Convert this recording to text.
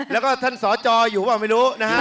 และก็ท่านสจอยู่ไม่รู้